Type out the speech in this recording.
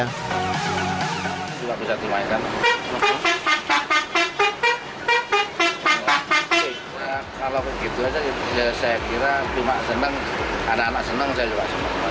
kalau begitu saja ya saya kira cuma senang anak anak senang saya juga senang